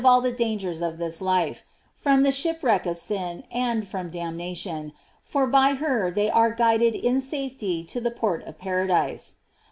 287 all the dangers of this life, from the shipwreck of sin, and from damnation, for by her they are guided in safety to the port of paradise.